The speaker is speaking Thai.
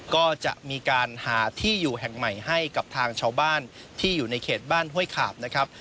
ก็จะมีการหาที่อยู่แห่งใหม่ให้กับทางชาวบ้านที่อยู่ในเขตบ้านห้วยขาบนะครับ